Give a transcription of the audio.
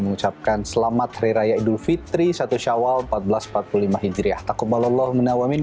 mengucapkan selamat hari raya idul fitri satu syawal seribu empat ratus empat puluh lima hijriahmin